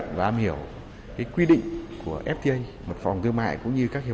thành phố hồ chí minh vừa khởi công thêm hai dự án nhà ở xã hội